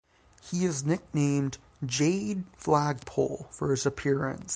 He is nicknamed "Jade Flagpole" for his appearance.